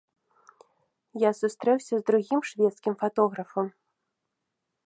Я сустрэўся з другім шведскім фатографам.